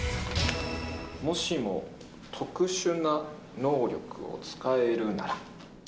もしも特殊な能力を使えるなら。